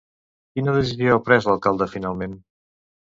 Quina decisió ha pres l'alcalde finalment?